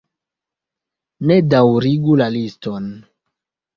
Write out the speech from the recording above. Ne daŭrigu la liston!